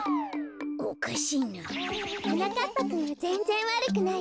おかしいな。はなかっぱくんはぜんぜんわるくないわ。